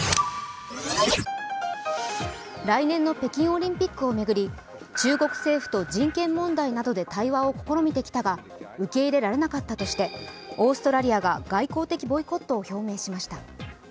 来年の北京オリンピックを巡り、中国政府と人権問題などで対話を試みてきたが受け入れられなかったとして、オーストラリアが外交的ボイコットを表明しました。